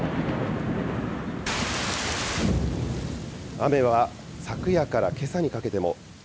雨は昨夜からけさにかけても。